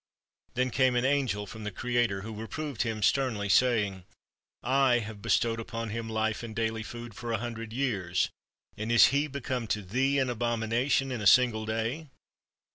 Then came an angel from the Creator, who reproved him sternly, saying, "I have bestowed upon him Hfe and daily food for a hundred years, and is he become to thee an abomination in a single day?